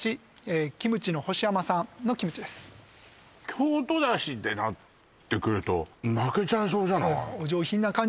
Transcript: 京都出汁ってなってくると負けちゃいそうじゃない？